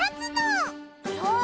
そう！